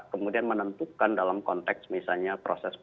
kemudian menentukan dalam konteks misalnya proses